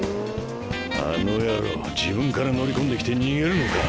あの野郎自分から乗り込んで来て逃げるのか？